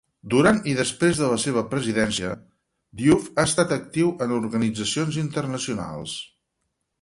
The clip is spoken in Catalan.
Durant i després de la seva presidència, Diouf ha estat actiu en organitzacions internacionals.